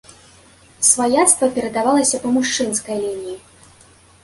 Сваяцтва перадавалася па мужчынскай лініі.